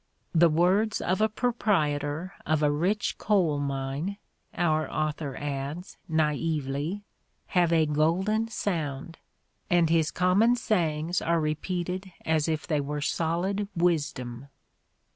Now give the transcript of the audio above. The words of a proprietor of a rich coal mine," our author adds, naively, "have a golden sound, and his common sayings are repeated as if they were solid wisdom."